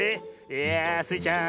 いやあスイちゃん